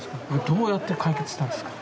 どうやって解決したんですか。